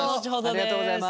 ありがとうございます。